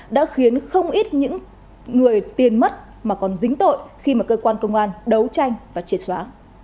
đã khiến không ít những người tiền mất mà còn dính tội khi mà cơ quan công an đấu tranh và triệt xóa